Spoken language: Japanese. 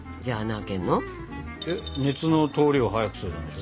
熱の通りを早くするためでしょ？